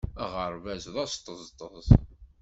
Aɣerbaz d asṭeẓṭeẓ.